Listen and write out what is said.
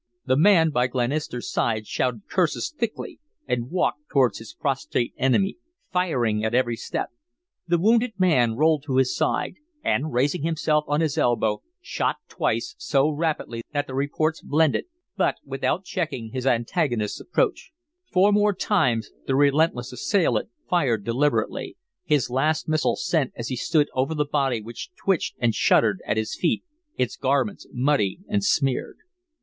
The man by Glenister's side shouted curses thickly, and walked towards his prostrate enemy, firing at every step. The wounded man rolled to his side, and, raising himself on his elbow, shot twice, so rapidly that the reports blended but without checking his antagonist's approach. Four more times the relentless assailant fired deliberately, his last missile sent as he stood over the body which twitched and shuddered at his feet, its garments muddy and smeared.